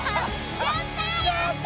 やった！